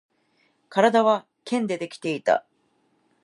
体は剣でできていた